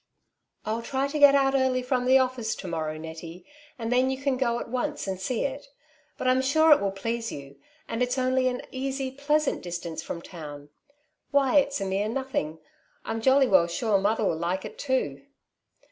'' I'll try to get out early from the oiSBce to morrow, Nettie, and then you can go at once and see it ; but I'm sure it will please you, and it's only an easy, pleasant distance from town. Why it's a mere nothing. I'm jolly well sure mother will like it too.''